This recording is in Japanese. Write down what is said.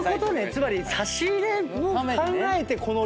つまり差し入れも考えてこの量。